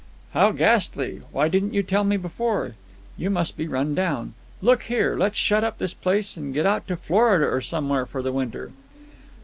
"How ghastly! Why didn't you tell me before? You must be run down. Look here, let's shut up this place and get out to Florida or somewhere for the winter!"